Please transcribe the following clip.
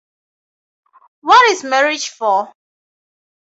What Is Marriage For?